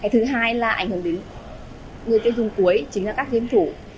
thứ hai là ảnh hưởng đến người chơi game cuối chính là các game thủ